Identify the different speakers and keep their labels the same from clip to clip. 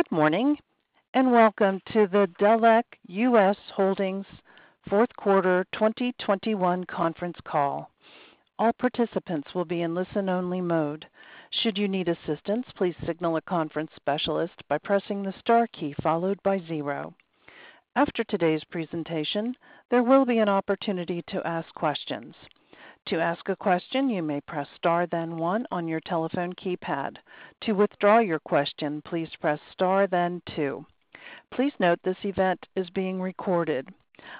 Speaker 1: Good morning, and welcome to the Delek US Holdings fourth quarter 2021 conference call. All participants will be in listen-only mode. Should you need assistance, please signal a conference specialist by pressing the star key followed by zero. After today's presentation, there will be an opportunity to ask questions. To ask a question, you may press star then one on your telephone keypad. To withdraw your question, please press star then two. Please note this event is being recorded.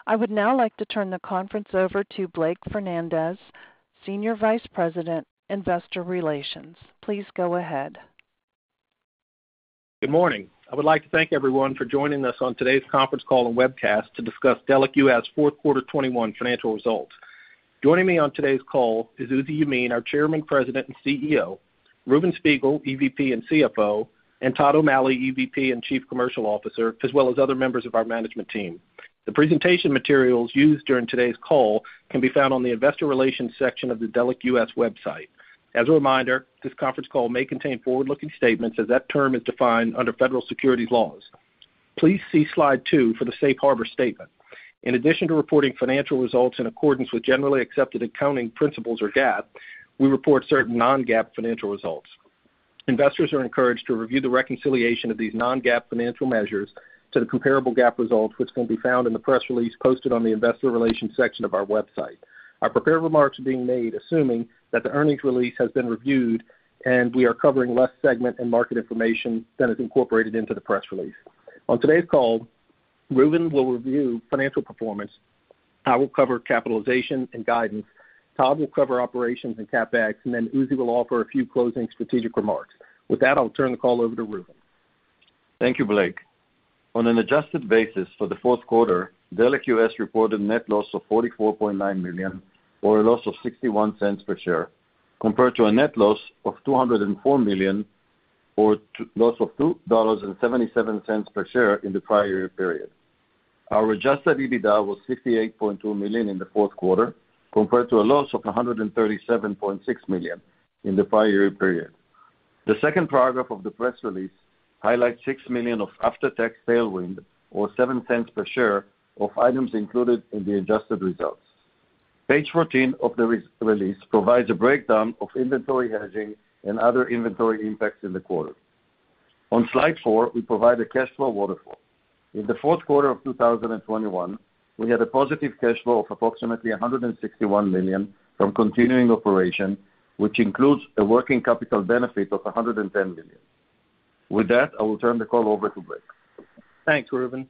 Speaker 1: I would now like to turn the conference over to Blake Fernandez, Senior Vice President, Investor Relations. Please go ahead.
Speaker 2: Good morning. I would like to thank everyone for joining us on today's conference call and webcast to discuss Delek US fourth quarter 2021 financial results. Joining me on today's call is Uzi Yemin, our Chairman, President, and CEO, Reuven Spiegel, EVP and CFO, and Todd O'Malley, EVP and Chief Commercial Officer, as well as other members of our management team. The presentation materials used during today's call can be found on the investor relations section of the Delek US website. As a reminder, this conference call may contain forward-looking statements as that term is defined under federal securities laws. Please see slide 2 for the safe harbor statement. In addition to reporting financial results in accordance with Generally Accepted Accounting Principles or GAAP, we report certain non-GAAP financial results. Investors are encouraged to review the reconciliation of these non-GAAP financial measures to the comparable GAAP results, which can be found in the press release posted on the investor relations section of our website. Our prepared remarks are being made assuming that the earnings release has been reviewed and we are covering less segment and market information than is incorporated into the press release. On today's call, Reuven will review financial performance, I will cover capitalization and guidance, Todd will cover operations and CapEx, and then Uzi will offer a few closing strategic remarks. With that, I'll turn the call over to Reuven.
Speaker 3: Thank you, Blake. On an adjusted basis for the fourth quarter, Delek US reported net loss of $44.9 million, or a loss of $0.61 per share, compared to a net loss of $204 million or loss of $2.77 per share in the prior year period. Our Adjusted EBITDA was $68.2 million in the fourth quarter, compared to a loss of $137.6 million in the prior year period. The second paragraph of the press release highlights $6 million of after-tax tailwind, or $0.07 per share of items included in the adjusted results. Page 14 of the press release provides a breakdown of inventory hedging and other inventory impacts in the quarter. On slide 4, we provide a cash flow waterfall. In the fourth quarter of 2021, we had a positive cash flow of approximately $161 million from continuing operations, which includes a working capital benefit of $110 million. With that, I will turn the call over to Blake.
Speaker 2: Thanks, Reuven.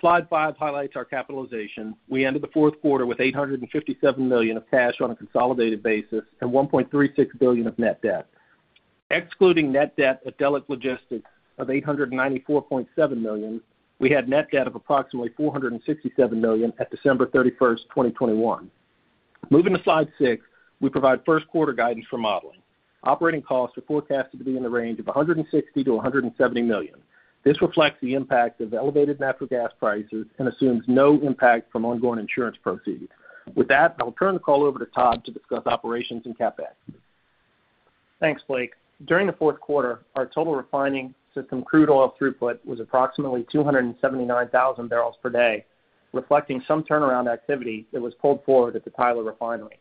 Speaker 2: Slide 5 highlights our capitalization. We ended the fourth quarter with $857 million of cash on a consolidated basis and $1.36 billion of net debt. Excluding net debt at Delek Logistics of $894.7 million, we had net debt of approximately $467 million at December 31, 2021. Moving to slide 6, we provide first quarter guidance for modeling. Operating costs are forecasted to be in the range of $160 million-$170 million. This reflects the impact of elevated natural gas prices and assumes no impact from ongoing insurance proceeds. With that, I'll turn the call over to Todd to discuss operations and CapEx.
Speaker 4: Thanks, Blake. During the fourth quarter, our total refining system crude oil throughput was approximately 279,000 barrels per day, reflecting some turnaround activity that was pulled forward at the Tyler Refinery.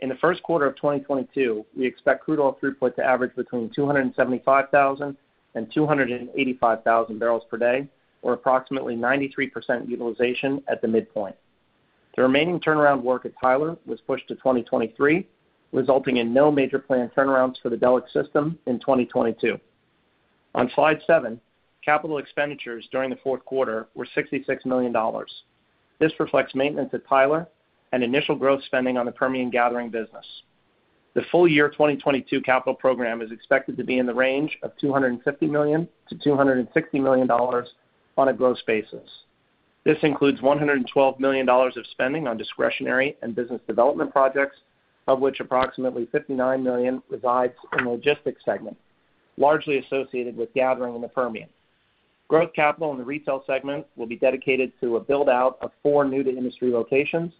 Speaker 4: In the first quarter of 2022, we expect crude oil throughput to average between 275,000 and 285,000 barrels per day, or approximately 93% utilization at the midpoint. The remaining turnaround work at Tyler was pushed to 2023, resulting in no major planned turnarounds for the Delek system in 2022. On slide 7, capital expenditures during the fourth quarter were $66 million. This reflects maintenance at Tyler and initial growth spending on the Permian gathering business. The full year 2022 capital program is expected to be in the range of $250 million–$260 million on a gross basis. This includes $112 million of spending on discretionary and business development projects, of which approximately $59 million resides in Logistics segment, largely associated with gathering in the Permian. Growth capital in the Retail segment will be dedicated to a build-out of 4 new-to-industry locations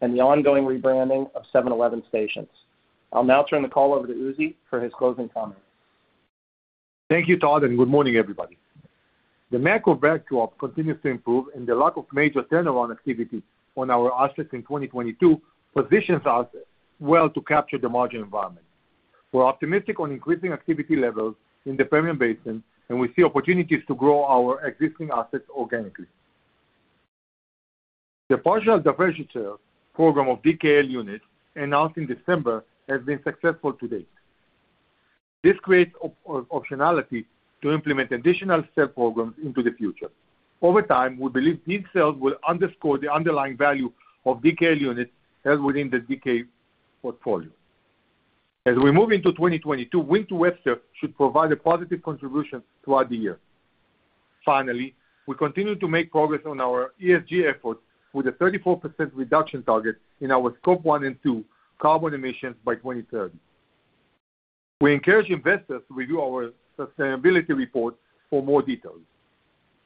Speaker 4: and the ongoing rebranding of 7-Eleven stations. I'll now turn the call over to Uzi for his closing comments.
Speaker 5: Thank you, Todd, and good morning, everybody. The macro backdrop continues to improve and the lack of major turnaround activity on our assets in 2022 positions us well to capture the margin environment. We're optimistic on increasing activity levels in the Permian Basin, and we see opportunities to grow our existing assets organically. The partial divestiture program of DKL units announced in December has been successful to date. This creates optionality to implement additional step programs into the future. Over time, we believe these sales will underscore the underlying value of DKL units held within the DKL portfolio. As we move into 2022, Wink to Webster should provide a positive contribution throughout the year. Finally, we continue to make progress on our ESG efforts with a 34% reduction target in our Scope 1 and 2 carbon emissions by 2030. We encourage investors to review our sustainability report for more details.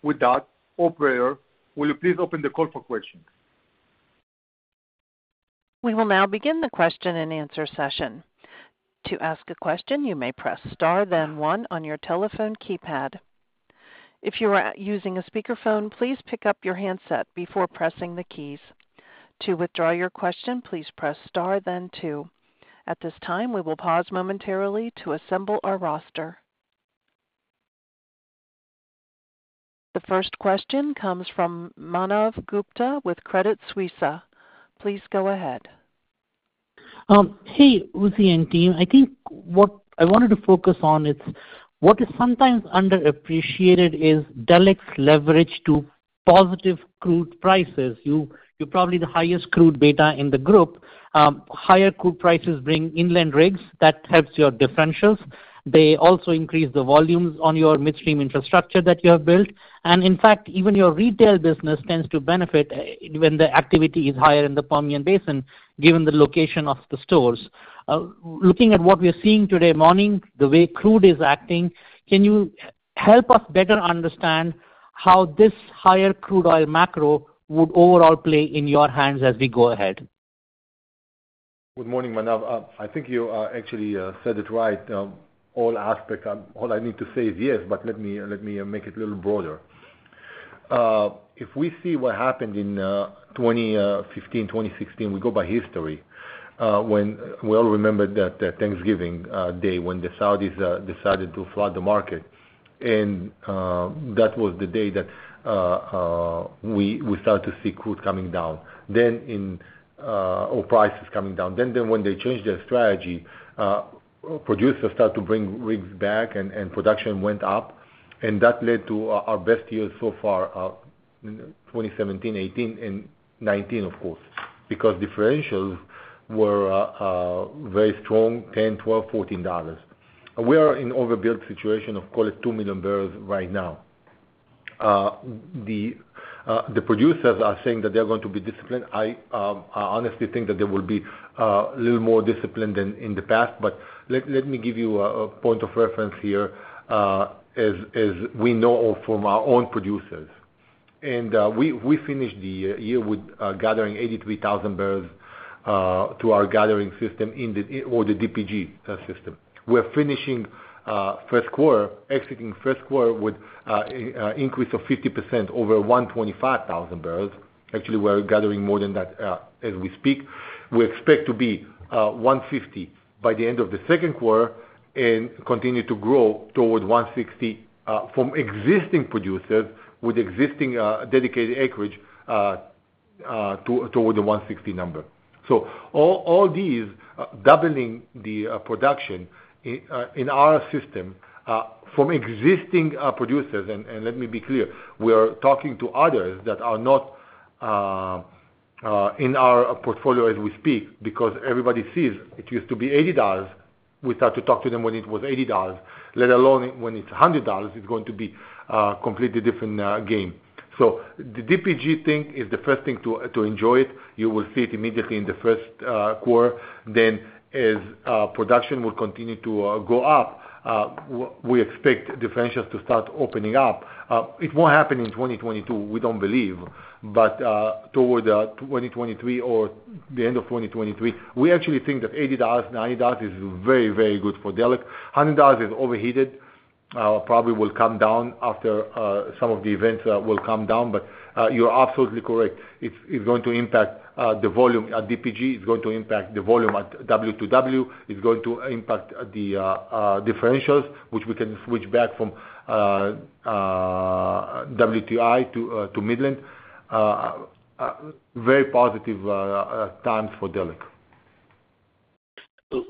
Speaker 5: With that, operator, will you please open the call for questions?
Speaker 1: We will now begin the question-and-answer session. To ask a question, you may press star then one on your telephone keypad. If you are using a speakerphone, please pick up your handset before pressing the keys. To withdraw your question, please press star then two. At this time, we will pause momentarily to assemble our roster. The first question comes from Manav Gupta with Credit Suisse. Please go ahead.
Speaker 6: Hey, Uzi and team. I think what I wanted to focus on is what is sometimes underappreciated is Delek's leverage to positive crude prices. You're probably the highest crude beta in the group. Higher crude prices bring inland rigs. That helps your differentials. They also increase the volumes on your midstream infrastructure that you have built. In fact, even your retail business tends to benefit when the activity is higher in the Permian Basin, given the location of the stores. Looking at what we are seeing this morning, the way crude is acting, can you help us better understand how this higher crude oil macro would overall play in your hands as we go ahead?
Speaker 5: Good morning, Manav. I think you actually said it right. All aspects, all I need to say is yes, but let me make it a little broader. If we see what happened in 2015, 2016, we go by history. When we all remember that Thanksgiving Day, when the Saudis decided to flood the market, and that was the day that we start to see crude or prices coming down. Then, when they changed their strategy, producers start to bring rigs back and production went up, and that led to our best year so far, in 2017, 2018 and 2019, of course. Because differentials were very strong $10, $12, $14. We are in an overbuilt situation of, call it, 2 million barrels right now. The producers are saying that they're going to be disciplined. I honestly think that they will be a little more disciplined than in the past. Let me give you a point of reference here, as we know from our own producers. We finished the year with gathering 83,000 barrels to our gathering system or the DPG system. We're finishing the first quarter executing the first quarter with an increase of 50% over 125,000 barrels. Actually, we're gathering more than that as we speak. We expect to be at 150,000 by the end of the second quarter and continue to grow toward 160,000 from existing producers with existing dedicated acreage toward the 160 number. All these doubling the production in our system from existing producers, and let me be clear, we are talking to others that are not in our portfolio as we speak because everybody sees it used to be $80. We start to talk to them when it was $80, let alone when it's $100, it's going to be a completely different game. The DPG thing is the first thing to enjoy it. You will see it immediately in the first quarter. Then as production will continue to go up, we expect differentials to start opening up. It won't happen in 2022, we don't believe, but toward 2023 or the end of 2023. We actually think that $80–$90 is very, very good for Delek. $100 is overheated. Probably will come down after some of the events. You're absolutely correct. It's going to impact the volume at DPG. It's going to impact the volume at W2W. It's going to impact the differentials, which we can switch back from WTI to Midland. Very positive times for Delek.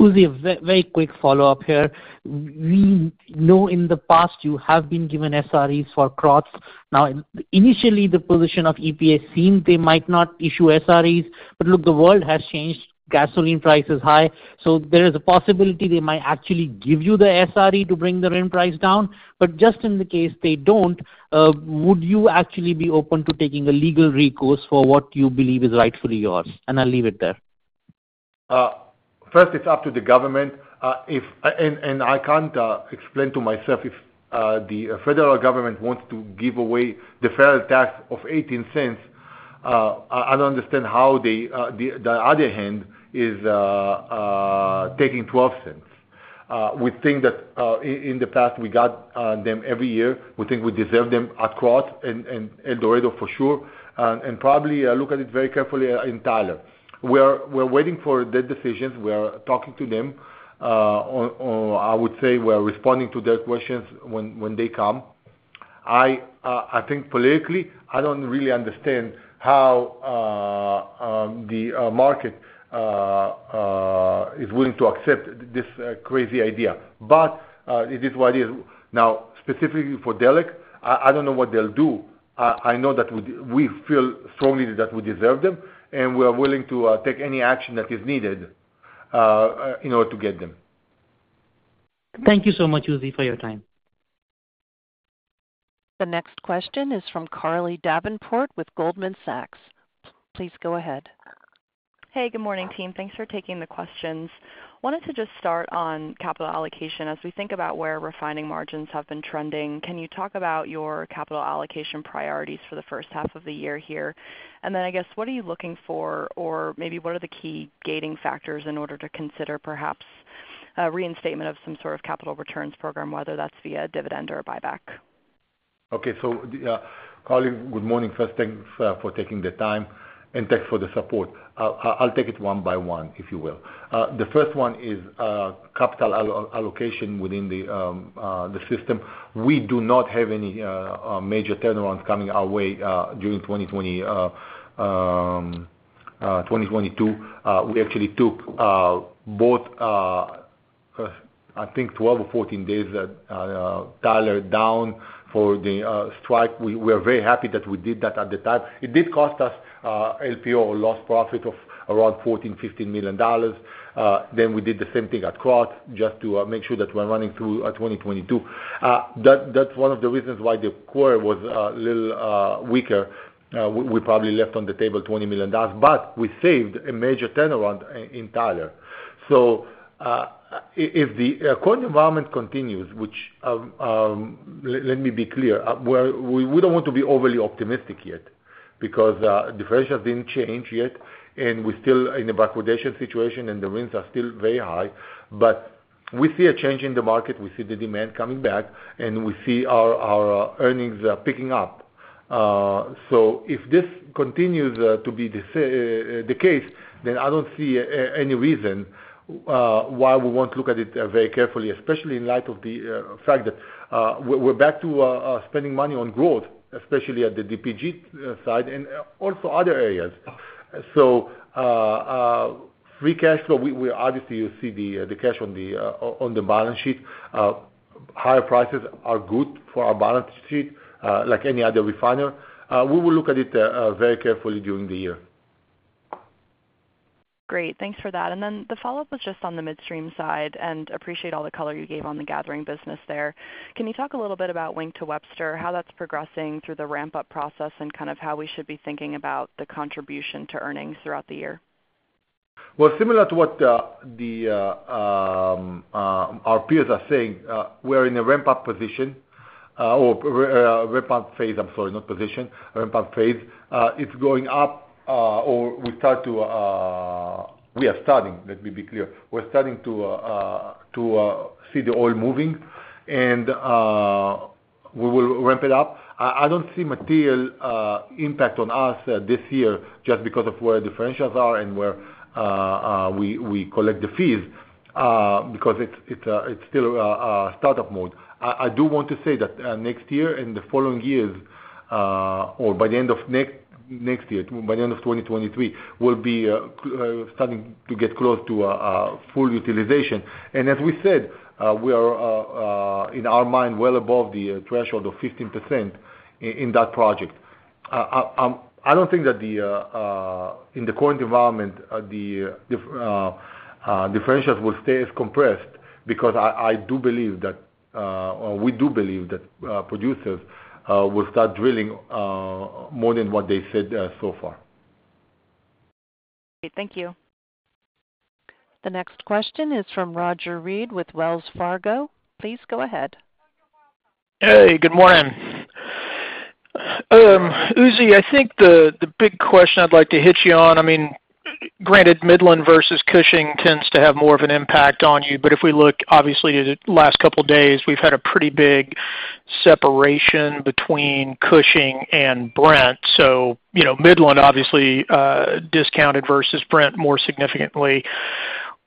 Speaker 6: Uzi, a very quick follow-up here. We know in the past you have been given SREs for Krotz Springs. Now, initially the position of EPA seemed they might not issue SREs. But look, the world has changed. Gasoline price is high, so there is a possibility they might actually give you the SRE to bring the Brent price down. But just in the case they don't, would you actually be open to taking a legal recourse for what you believe is rightfully yours? I'll leave it there.
Speaker 5: First, it's up to the government. I can't explain to myself if the federal government wants to give away the federal tax of $0.18, I don't understand how they on the other hand are taking $0.12. We think that in the past we got them every year. We think we deserve them at Krotz Springs and El Dorado for sure, and probably look at it very carefully in Tyler. We're waiting for their decisions. We are talking to them. I would say we're responding to their questions when they come. I think politically I don't really understand how the market is willing to accept this crazy idea, but it is what it is. Now, specifically for Delek, I don't know what they'll do. I know that we feel strongly that we deserve them, and we are willing to take any action that is needed in order to get them.
Speaker 6: Thank you so much, Uzi, for your time.
Speaker 1: The next question is from Carly Davenport with Goldman Sachs. Please go ahead.
Speaker 7: Hey, good morning, team. Thanks for taking the questions. I wanted to just start on capital allocation. As we think about where refining margins have been trending, can you talk about your capital allocation priorities for the first half of the year here? I guess, what are you looking for or maybe what are the key gating factors in order to consider perhaps? A reinstatement of some sort of capital returns program, whether that's via dividend or buyback.
Speaker 5: Carly, good morning. First, thanks for taking the time and thanks for the support. I'll take it one by one, if you will. The first one is capital allocation within the system. We do not have any major turnarounds coming our way during 2022. We actually took both, I think 12 or 14 days that Tyler down for the strike. We're very happy that we did that at the time. It did cost us LPO or lost profit of around $14-$15 million. We did the same thing at Krotz Springs just to make sure that we're running through 2022. That's one of the reasons why the quarter was a little weaker. We probably left on the table $20 million, but we saved a major turnaround in Tyler. If the current environment continues, which let me be clear, we don't want to be overly optimistic yet because the prices didn't change yet, and we're still in a backwardation situation, and the headwinds are still very high. We see a change in the market, we see the demand coming back, and we see our earnings picking up. If this continues to be the case, then I don't see any reason why we won't look at it very carefully, especially in light of the fact that we're back to spending money on growth, especially at the DPG side and also other areas. Free cash flow, we obviously you see the cash on the balance sheet. Higher prices are good for our balance sheet, like any other refiner. We will look at it very carefully during the year.
Speaker 7: Great. Thanks for that. The follow-up was just on the midstream side, and I appreciate all the color you gave on the gathering business there. Can you talk a little bit about Wink to Webster, how that's progressing through the ramp-up process and kind of how we should be thinking about the contribution to earnings throughout the year?
Speaker 5: Well, similar to what our peers are saying, we're in a ramp-up position, or ramp-up phase, I'm sorry, not position, ramp-up phase. We are starting, let me be clear. We're starting to see the oil moving, and we will ramp it up. I don't see material impact on us this year just because of where the financials are and where we collect the fees, because it's still a startup mode. I do want to say that next year and the following years, or by the end of next year, by the end of 2023, we'll be starting to get close to full utilization. As we said, we are in our mind well above the threshold of 15% in that project. I don't think that the financials will stay as compressed because we do believe that producers will start drilling more than what they said so far.
Speaker 7: Thank you.
Speaker 1: The next question is from Roger Read with Wells Fargo. Please go ahead.
Speaker 8: Hey, good morning. Uzi, I think the big question I'd like to hit you on, I mean, granted Midland versus Cushing tends to have more of an impact on you. If we look, obviously, the last couple of days, we've had a pretty big separation between Cushing and Brent. You know, Midland obviously discounted versus Brent more significantly.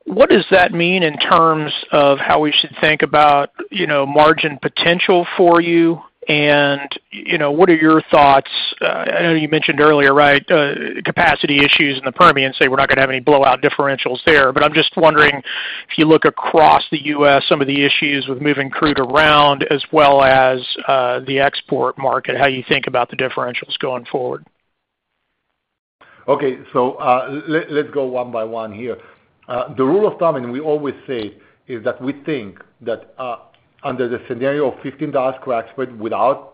Speaker 8: What does that mean in terms of how we should think about, you know, margin potential for you? You know, what are your thoughts, I know you mentioned earlier, right, capacity issues in the Permian, say we're not gonna have any blowout differentials there. I'm just wondering if you look across the U.S., some of the issues with moving crude around as well as the export market, how you think about the differentials going forward.
Speaker 5: Okay. Let's go one by one here. The rule of thumb, and we always say, is that we think that under the scenario of $15 crack spread without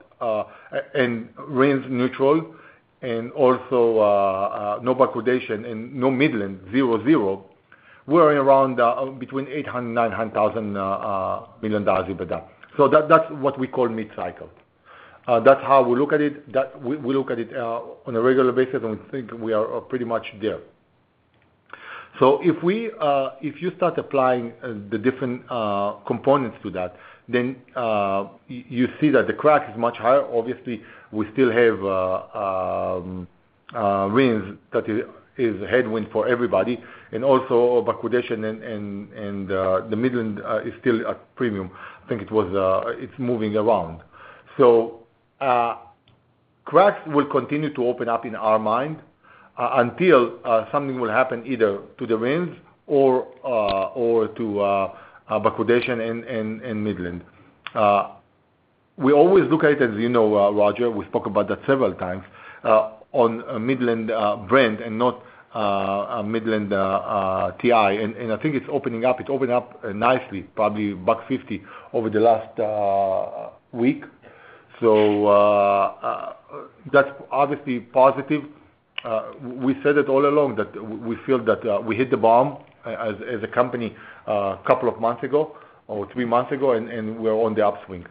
Speaker 5: and RINs neutral and also no backwardation and no Midland zero zero, we're around between $800-$900 million EBITDA. That's what we call mid-cycle. That's how we look at it. We look at it on a regular basis, and we think we are pretty much there. If you start applying the different components to that, then you see that the crack is much higher. Obviously, we still have RINs that is headwind for everybody, and also backwardation and the Midland is still a premium. I think it's moving around. Cracks will continue to open up in our mind until something will happen either to the RINs or to backwardation in Midland. We always look at it as you know, Roger, we spoke about that several times on Midland Brent and WTI. I think it's opening up. It opened up nicely, probably $1.50 over the last week. That's obviously positive. We said it all along that we feel that we hit the bottom as a company a couple of months ago or three months ago, and we're on the upswing.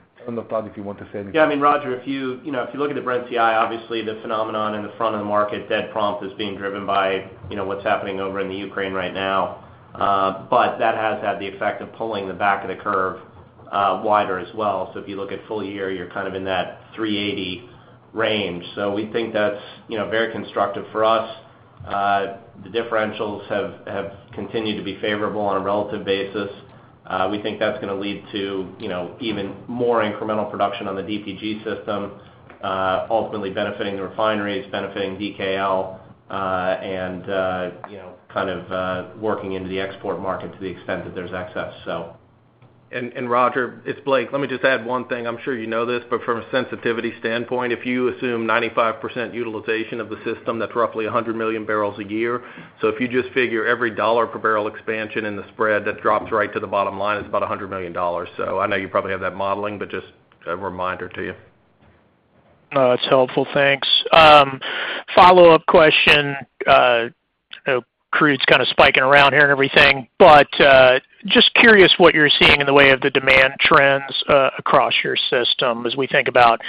Speaker 5: Todd, if you want to say anything.
Speaker 9: I mean, Roger, if you know, if you look at the Brent-WTI, obviously the phenomenon in the front of the market that prompt is being driven by, you know, what's happening over in the Ukraine right now. But that has had the effect of pulling the back of the curve. Wider as well. If you look at full year, you're kind of in that $3.80 range. We think that's, you know, very constructive for us. The differentials have continued to be favorable on a relative basis. We think that's gonna lead to, you know, even more incremental production on the DPG system, ultimately benefiting the refineries, benefiting DKL, and, you know, kind of, working into the export market to the extent that there's excess.
Speaker 2: Roger, it's Blake, let me just add one thing. I'm sure you know this, but from a sensitivity standpoint, if you assume 95% utilization of the system, that's roughly 100 million barrels a year. If you just figure every $1 per barrel expansion in the spread, that drops right to the bottom line, it's about $100 million. I know you probably have that modeling, but just a reminder to you.
Speaker 8: No, it's helpful. Thanks. Follow-up question. Crude's kind of spiking around here and everything, but just curious what you're seeing in the way of the demand trends across your system as we think about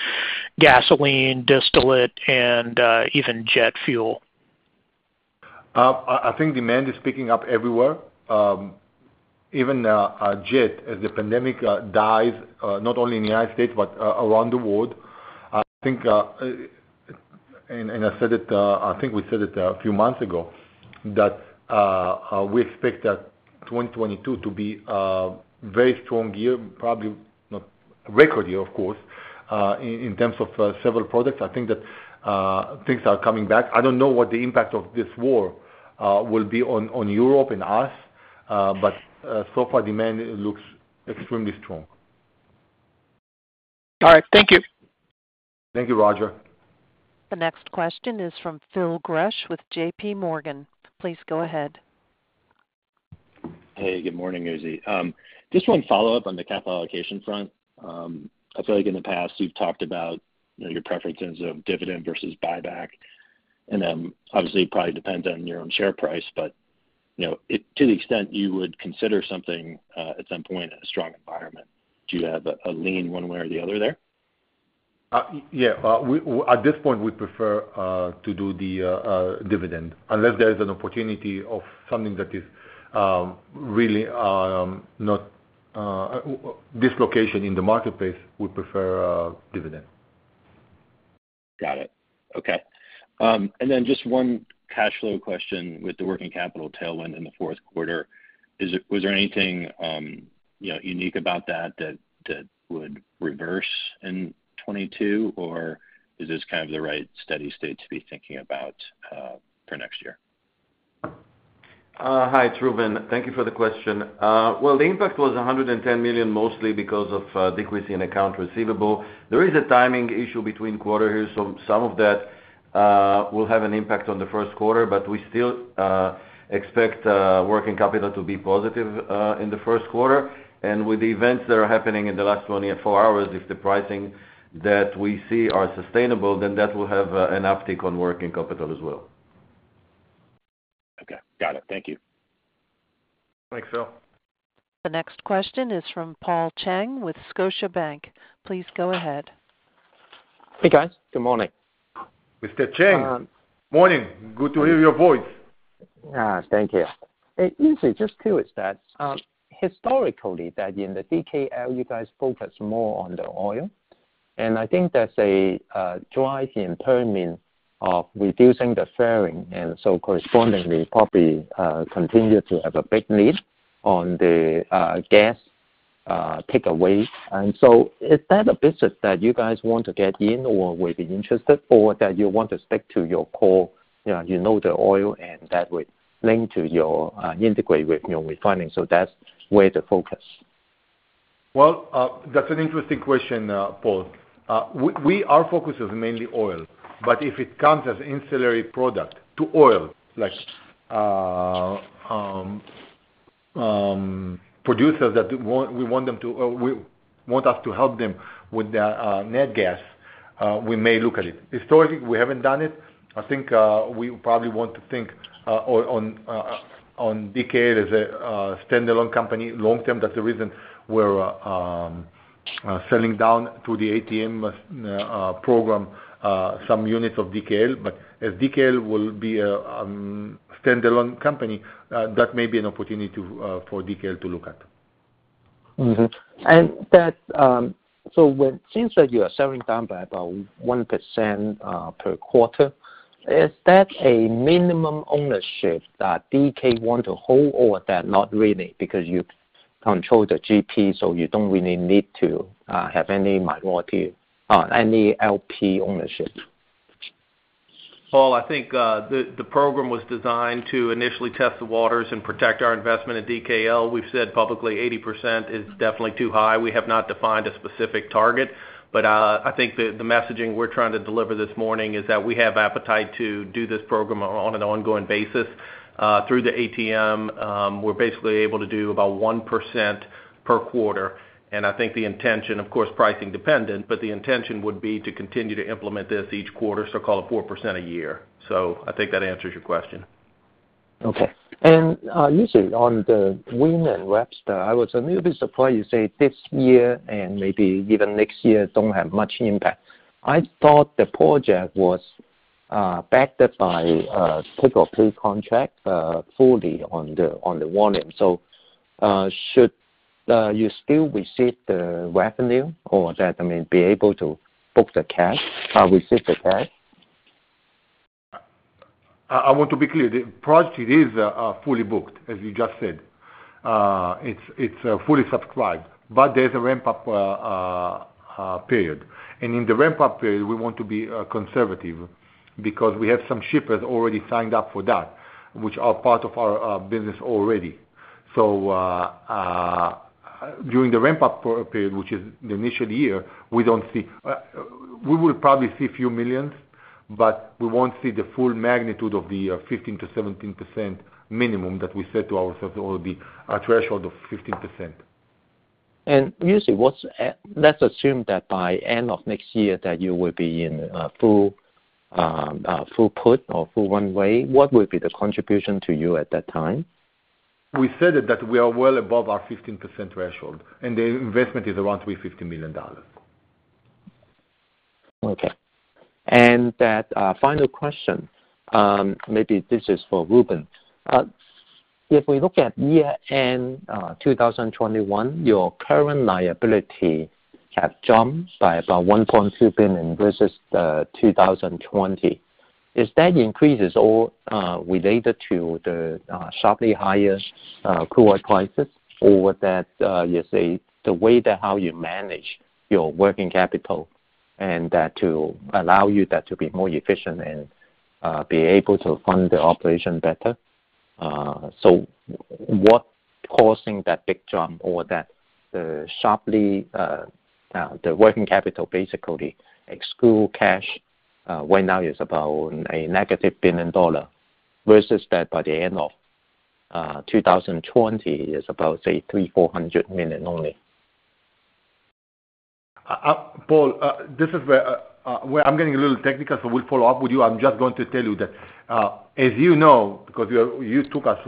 Speaker 8: gasoline, distillate, and even jet fuel.
Speaker 5: I think demand is picking up everywhere. Even yet as the pandemic dies, not only in the United States, but around the world. I think and I said it, I think we said it a few months ago, that we expect that 2022 to be a very strong year, probably not a record year, of course, in terms of several products. I think that things are coming back. I don't know what the impact of this war will be on Europe and us, but so far, demand looks extremely strong.
Speaker 8: All right. Thank you.
Speaker 5: Thank you, Roger.
Speaker 1: The next question is from Phil Gresh with JPMorgan. Please go ahead.
Speaker 10: Hey, good morning, Uzi. Just one follow-up on the capital allocation front. I feel like in the past, you've talked about, you know, your preference in terms of dividend versus buyback, and then obviously it probably depends on your own share price. You know, to the extent you would consider something, at some point in a strong environment, do you have a lean one way or the other there?
Speaker 5: Yeah. At this point, we prefer to do the dividend. Unless there is an opportunity of something that is really not dislocation in the marketplace, we prefer a dividend.
Speaker 10: Got it. Okay. Just one cashflow question with the working capital tailwind in the fourth quarter. Was there anything, you know, unique about that that would reverse in 2022, or is this kind of the right steady state to be thinking about for next year?
Speaker 3: Hi, it's Reuven. Thank you for the question. The impact was $110 million, mostly because of decrease in accounts receivable. There is a timing issue between quarters, so some of that will have an impact on the first quarter. We still expect working capital to be positive in the first quarter. With the events that are happening in the last 24 hours, if the pricing that we see are sustainable, then that will have an uptick on working capital as well.
Speaker 10: Okay. Got it. Thank you.
Speaker 2: Thanks, Phil.
Speaker 1: The next question is from Paul Cheng with Scotiabank. Please go ahead.
Speaker 9: Hey, guys. Good morning.
Speaker 5: Mr. Cheng, morning. Good to hear your voice.
Speaker 9: Thank you. Hey, Uzi, just curious that historically that in the DKL, you guys focus more on the oil, and I think there's a drive in Permian of reducing the flaring, and so correspondingly, probably continue to have a big need on the gas takeaway. Is that a business that you guys want to get in or will be interested, or that you want to stick to your core, you know the oil and that would link to your integrate with your refining, that's where to focus?
Speaker 5: Well, that's an interesting question, Paul. Our focus is mainly oil. If it comes as ancillary product to oil, like producers that we want, we want them to want us to help them with the nat gas, we may look at it. Historically, we haven't done it. I think we probably want to think on DKL as a standalone company long term. That's the reason we're selling down to the ATM program some units of DKL. As DKL will be a standalone company, that may be an opportunity for DKL to look at.
Speaker 9: Since that you are selling down by about 1% per quarter, is that a minimum ownership that DK want to hold or that not really because you control the GP, so you don't really need to have any minority or any LP ownership?
Speaker 2: Paul Cheng, I think the program was designed to initially test the waters and protect our investment at DKL. We've said publicly 80% is definitely too high. We have not defined a specific target. I think the messaging we're trying to deliver this morning is that we have appetite to do this program on an ongoing basis. Through the ATM, we're basically able to do about 1% per quarter. I think the intention, of course, pricing dependent, but the intention would be to continue to implement this each quarter, so call it 4% a year. I think that answers your question.
Speaker 9: Okay. Uzi, on the Wink to Webster, I was a little bit surprised you say this year and maybe even next year don't have much impact. I thought the project was backed up by take-or-pay contract fully on the volume. You still receive the revenue or that, I mean, be able to book the cash, receive the cash?
Speaker 5: I want to be clear. The project is fully booked, as you just said. It's fully subscribed, but there's a ramp-up period. In the ramp-up period, we want to be conservative because we have some shippers already signed up for that, which are part of our business already. During the ramp-up period, which is the initial year, we will probably see a few million, but we won't see the full magnitude of the 15%-17% minimum that we said to ourselves it will be a threshold of 15%.
Speaker 9: Usually, let's assume that by end of next year that you will be in full put or full one way, what will be the contribution to you at that time?
Speaker 5: We said that we are well above our 15% threshold, and the investment is around $350 million.
Speaker 9: Okay. That final question, maybe this is for Reuven. If we look at year-end 2021, your current liabilities have jumped by about $1.2 billion versus 2020. Is that increase or related to the sharply higher crude oil prices or that you say the way that how you manage your working capital and that to allow you that to be more efficient and be able to fund the operation better? What is causing that big jump or that the working capital, basically excluding cash, right now is about a negative $1 billion versus that by the end of 2020 is about, say, $300-$400 million only.
Speaker 5: Paul, this is where I'm getting a little technical, so we'll follow up with you. I'm just going to tell you that, as you know, because you took us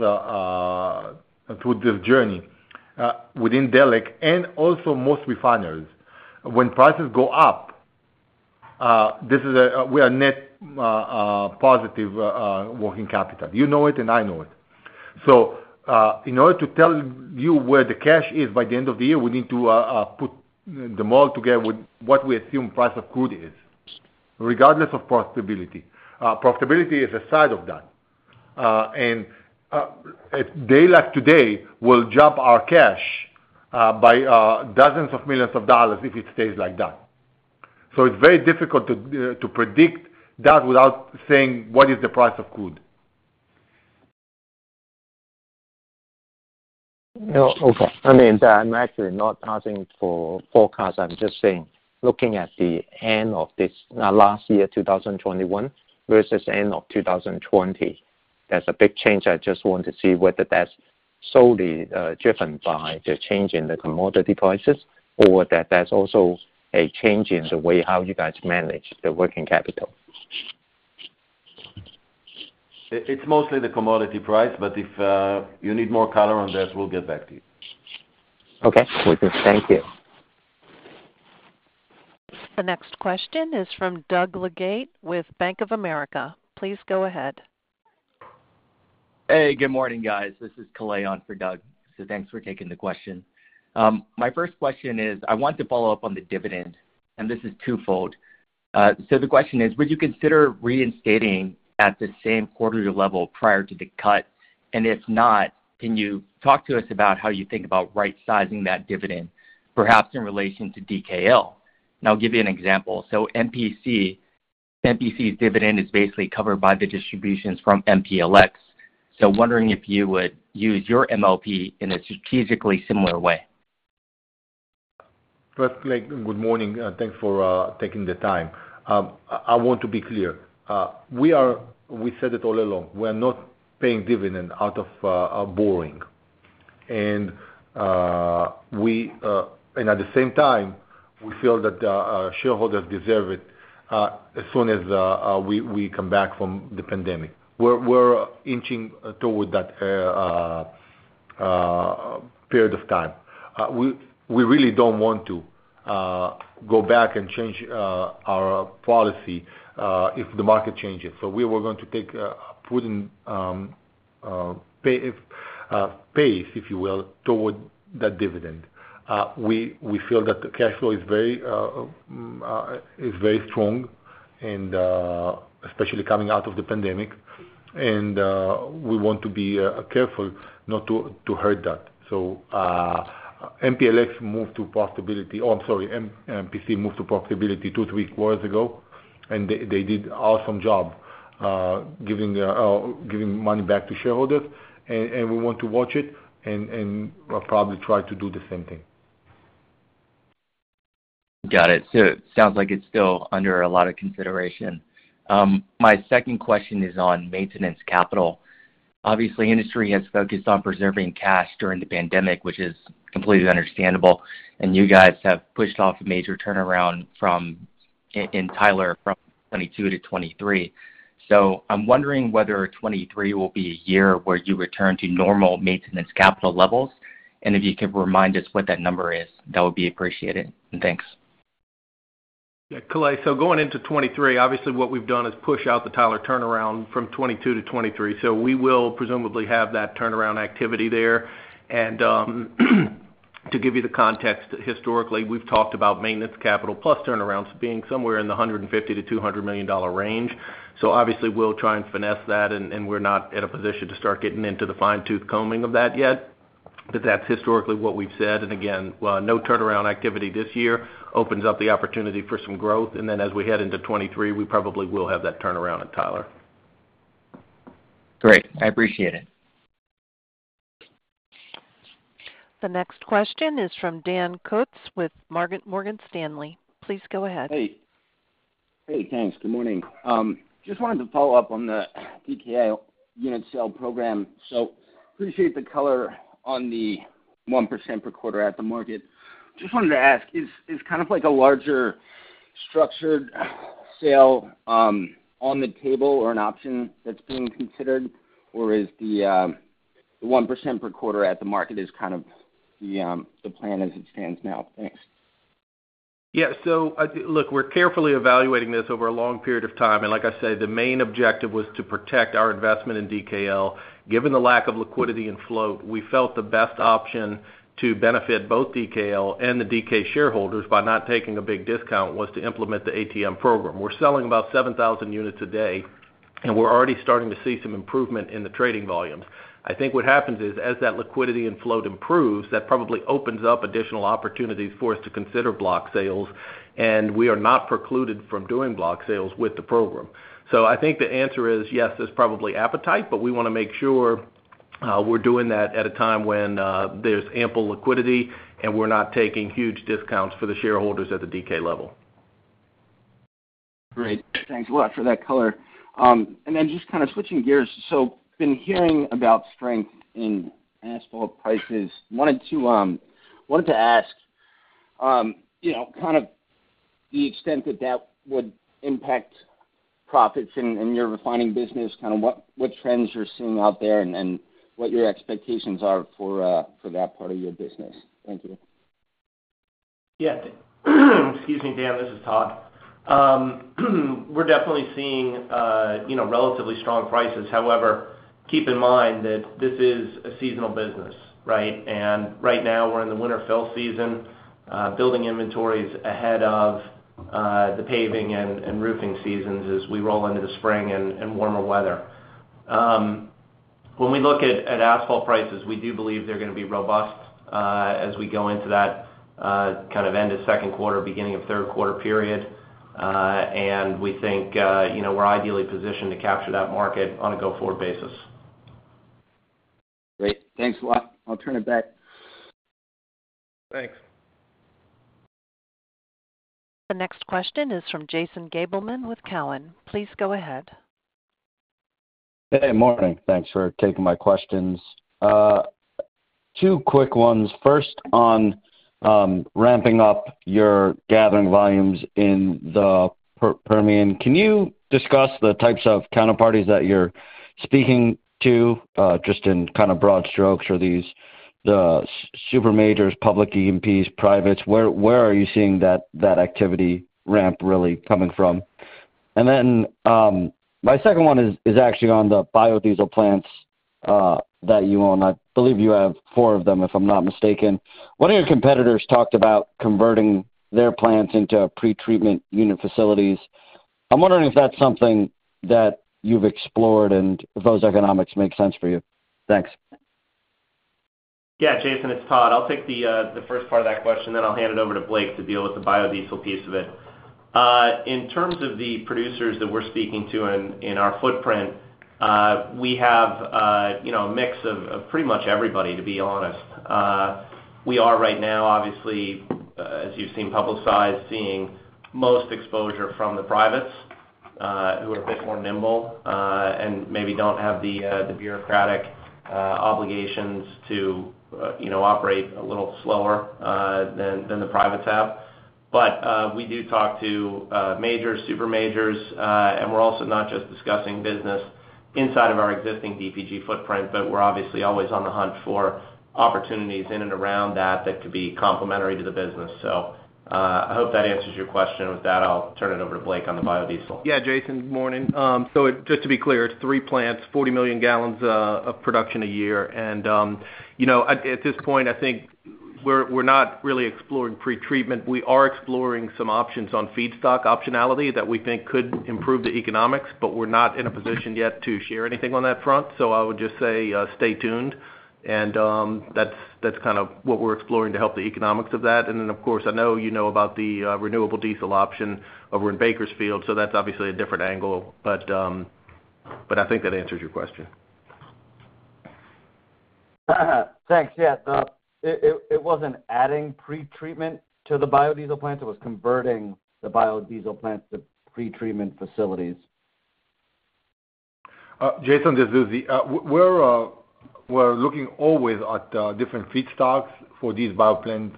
Speaker 5: through this journey within Delek and also most refineries, when prices go up, we are net positive working capital. You know it and I know it. In order to tell you where the cash is by the end of the year, we need to put them all together with what we assume price of crude is, regardless of profitability. Profitability is a side of that. A day like today will jump our cash by dozens of millions of dollars if it stays like that. It's very difficult to predict that without saying what is the price of crude.
Speaker 9: No. Okay. I mean, I'm actually not asking for forecast. I'm just saying, looking at the end of this last year, 2021 versus end of 2020, that's a big change. I just want to see whether that's solely driven by the change in the commodity prices or that that's also a change in the way how you guys manage the working capital.
Speaker 5: It's mostly the commodity price, but if you need more color on this, we'll get back to you.
Speaker 9: Okay. Thank you.
Speaker 1: The next question is from Doug Leggate with Bank of America. Please go ahead.
Speaker 11: Hey, good morning, guys. This is Kalei on for Doug. Thanks for taking the question. My first question is, I want to follow up on the dividend, and this is twofold. The question is, would you consider reinstating at the same quarterly level prior to the cut? And if not, can you talk to us about how you think about right sizing that dividend, perhaps in relation to DKL? And I'll give you an example. MPC's dividend is basically covered by the distributions from MPLX. Wondering if you would use your MLP in a strategically similar way.
Speaker 5: First, Doug, good morning. Thanks for taking the time. I want to be clear. We said it all along. We are not paying dividend out of borrowing. At the same time, we feel that our shareholders deserve it as soon as we come back from the pandemic. We're inching toward that period of time. We really don't want to go back and change our policy if the market changes. We were going to take a prudent pace, if you will, toward that dividend. We feel that the cash flow is very strong, especially coming out of the pandemic. We want to be careful not to hurt that. Oh, I'm sorry. MPC moved to profitability 2-3 quarters ago, and they did awesome job giving money back to shareholders. We want to watch it and probably try to do the same thing.
Speaker 11: Got it. It sounds like it's still under a lot of consideration. My second question is on maintenance capital. Obviously, industry has focused on preserving cash during the pandemic, which is completely understandable. You guys have pushed off a major turnaround in Tyler from 2022 to 2023. I'm wondering whether 2023 will be a year where you return to normal maintenance capital levels.
Speaker 5: If you could remind us what that number is, that would be appreciated. Thanks.
Speaker 2: Yeah, Kale. Going into 2023, obviously, what we've done is push out the Tyler turnaround from 2022 to 2023. We will presumably have that turnaround activity there. To give you the context, historically, we've talked about maintenance, capital, plus turnarounds being somewhere in the $150 million-$200 million range. Obviously we'll try and finesse that, and we're not in a position to start getting into the fine-tooth combing of that yet. That's historically what we've said. Again, no turnaround activity this year opens up the opportunity for some growth. Then as we head into 2023, we probably will have that turnaround at Tyler.
Speaker 5: Great. I appreciate it.
Speaker 1: The next question is from Dan Kutz with Morgan Stanley. Please go ahead.
Speaker 12: Hey, thanks. Good morning. Just wanted to follow up on the DKL unit sale program. Appreciate the color on the 1% per quarter at the market. Just wanted to ask, is kind of like a larger structured sale on the table or an option that's being considered? Or is the 1% per quarter at the market kind of the plan as it stands now? Thanks.
Speaker 2: Yeah. Look, we're carefully evaluating this over a long period of time. Like I said, the main objective was to protect our investment in DKL. Given the lack of liquidity and float, we felt the best option to benefit both DKL and the DKL shareholders by not taking a big discount was to implement the ATM program. We're selling about 7,000 units a day, and we're already starting to see some improvement in the trading volumes. I think what happens is as that liquidity and float improves, that probably opens up additional opportunities for us to consider block sales. We are not precluded from doing block sales with the program. I think the answer is yes, there's probably appetite, but we wanna make sure we're doing that at a time when there's ample liquidity, and we're not taking huge discounts for the shareholders at the DKL level.
Speaker 12: Great. Thanks a lot for that color. Just kind of switching gears. Been hearing about strength in asphalt prices. Wanted to ask, you know, kind of the extent that that would impact profits in your refining business, kind of what trends you're seeing out there and what your expectations are for that part of your business. Thank you.
Speaker 13: Yeah. Excuse me, Dan. This is Todd. We're definitely seeing, you know, relatively strong prices. However, keep in mind that this is a seasonal business, right? Right now we're in the winter fill season, building inventories ahead of the paving and roofing seasons as we roll into the spring and warmer weather. When we look at asphalt prices, we do believe they're gonna be robust, as we go into that kind of end of second quarter, beginning of third quarter period. We think, you know, we're ideally positioned to capture that market on a go-forward basis.
Speaker 12: Great. Thanks a lot. I'll turn it back.
Speaker 2: Thanks.
Speaker 1: The next question is from Jason Gabelman with Cowen. Please go ahead.
Speaker 14: Hey, morning. Thanks for taking my questions. Two quick ones. First on ramping up your gathering volumes in the Permian. Can you discuss the types of counterparties that you're speaking to, just in kind of broad strokes? Are these the supermajors, public E&Ps, privates? Where are you seeing that activity ramp really coming from? My second one is actually on the biodiesel plants that you own. I believe you have four of them, if I'm not mistaken. One of your competitors talked about converting their plants into pretreatment unit facilities. I'm wondering if that's something that you've explored and if those economics make sense for you. Thanks.
Speaker 13: Yeah. Jason, it's Todd. I'll take the first part of that question, then I'll hand it over to Blake to deal with the biodiesel piece of it. In terms of the producers that we're speaking to in our footprint, we have you know a mix of pretty much everybody, to be honest. We are right now, obviously, as you've seen publicized, seeing most exposure from the privates, who are a bit more nimble, and maybe don't have the bureaucratic obligations to you know operate a little slower than the privates have. We do talk to majors, supermajors, and we're also not just discussing business inside of our existing DPG footprint, but we're obviously always on the hunt for opportunities in and around that that could be complementary to the business. I hope that answers your question. With that, I'll turn it over to Blake on the biodiesel.
Speaker 2: Yeah, Jason, morning. Just to be clear, it's three plants, 40 million gallons of production a year. You know, at this point, I think we're not really exploring pretreatment. We are exploring some options on feedstock optionality that we think could improve the economics, but we're not in a position yet to share anything on that front. I would just say, stay tuned. That's kind of what we're exploring to help the economics of that. Then, of course, I know you know about the renewable diesel option over in Bakersfield, so that's obviously a different angle. I think that answers your question.
Speaker 14: Thanks. Yeah. It wasn't adding pretreatment to the biodiesel plants, it was converting the biodiesel plants to pretreatment facilities.
Speaker 5: Jason, this is Uzi Yemin. We're looking always at different feedstocks for these bio plants.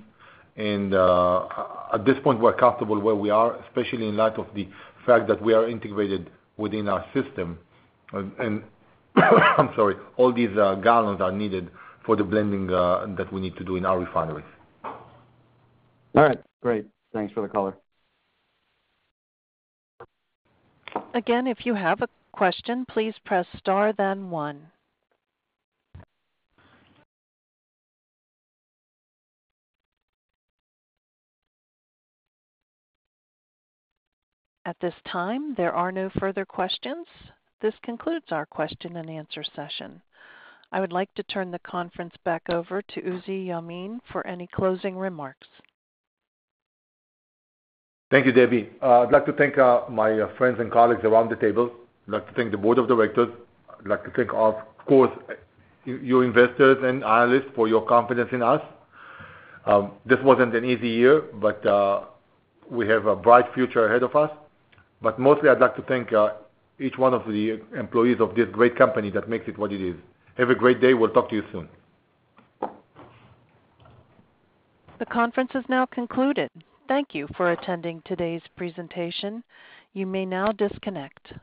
Speaker 5: At this point, we're comfortable where we are, especially in light of the fact that we are integrated within our system. I'm sorry, all these gallons are needed for the blending that we need to do in our refineries.
Speaker 14: All right, great. Thanks for the color.
Speaker 1: Again, if you have a question, please press star then one. At this time, there are no further questions. This concludes our question and answer session. I would like to turn the conference back over to Uzi Yemin for any closing remarks.
Speaker 5: Thank you, Debbie. I'd like to thank my friends and colleagues around the table. I'd like to thank the board of directors. I'd like to thank, of course, you investors and analysts for your confidence in us. This wasn't an easy year, but we have a bright future ahead of us. Mostly I'd like to thank each one of the employees of this great company that makes it what it is. Have a great day. We'll talk to you soon.
Speaker 1: The conference is now concluded. Thank you for attending today's presentation. You may now disconnect.